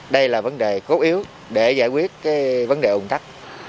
đây là vấn đề cốt yếu để giải quyết vấn đề ủng tắc